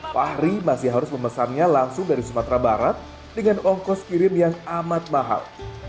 fahri masih harus memesannya langsung dari sumatera barat dengan ongkos kirim yang amat mahal